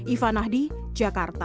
iva nahdi jakarta